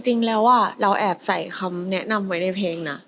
จริงแล้วเราแอบใส่คำแนะนำไว้ในเพลงนะ